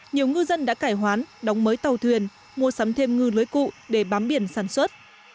nhiều ngư dân đã cải hoán đóng mới tàu thuyền mua sắm thêm ngư lưới cụ để bám biển sản xuất